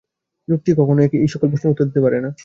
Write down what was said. যুক্তি কখনও এই-সকল প্রশ্নের উত্তর দিতে পারে না।